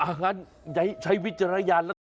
อ่ะงั้นใช้วิจารณ์แล้วค่ะ